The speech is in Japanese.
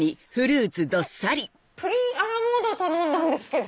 プリンアラモードを頼んだんですけど。